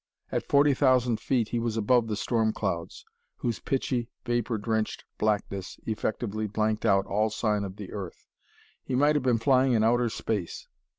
At forty thousand feet he was above the storm clouds, whose pitchy, vapor drenched blackness effectively blanked out all sign of the earth. He might have been flying in outer space.